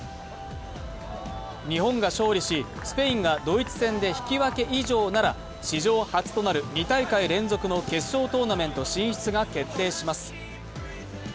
日本が勝利しスペインがドイツ戦で引き分け以上なら史上初となる２大会連続の決勝トーナメント進出が決定します。